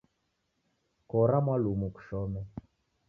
Kora mwalumu kushome